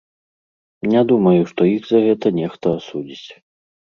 Не думаю, што іх за гэта нехта асудзіць.